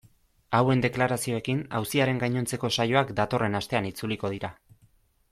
Hauen deklarazioekin auziaren gainontzeko saioak datorren astean itzuliko dira.